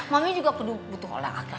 mami juga butuh olahraga